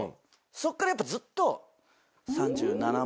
そっからやっぱずっと。